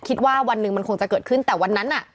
คิดว่าวันหนึ่งมันคงจะเกิดขึ้นแต่วันนั้นน่ะ